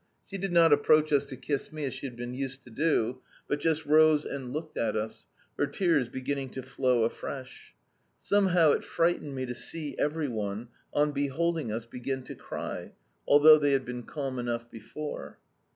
She did not approach us to kiss me as she had been used to do, but just rose and looked at us, her tears beginning to flow afresh. Somehow it frightened me to see every one, on beholding us, begin to cry, although they had been calm enough before.